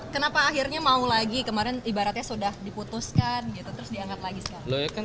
kenapa akhirnya mau lagi kemarin ibaratnya sudah diputuskan gitu terus diangkat lagi sekarang